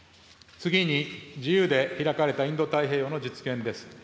次に自由で開かれたインド太平洋の実現です。